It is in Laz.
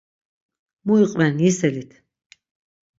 Mu iqven yiselit.